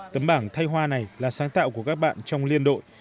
tấm bảng thay hoa này là sáng tạo của các bạn trong liên đội